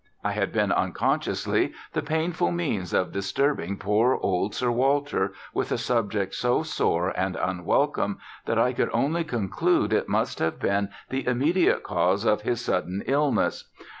I had been unconsciously the painful means of disturbing poor old Sir Walter with a subject so sore and unwelcome that I could only conclude it must have been the immediate cause of his sudden illness.